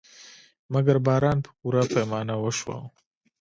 مګر باران په پوره پیمانه وشو.